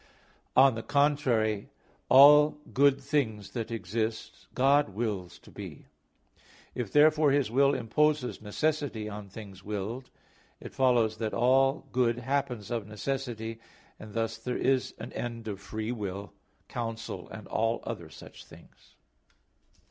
On the contrary, All good things that exist God wills to be. If therefore His will imposes necessity on things willed, it follows that all good happens of necessity; and thus there is an end of free will, counsel, and all other such things.